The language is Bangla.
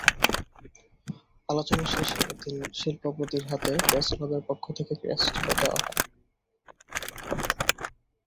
আলোচনার শেষে তিন শিল্পপতির হাতে প্রেসক্লাবের পক্ষ থেকে ক্রেস্ট তুলে দেওয়া হয়।